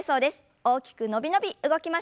大きく伸び伸び動きましょう。